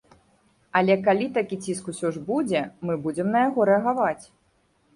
Але калі такі ціск усё ж будзе, мы будзем на яго рэагаваць.